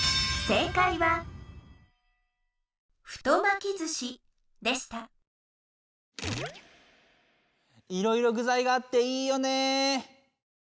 太巻きずしでしたいろいろ具材があっていいよね。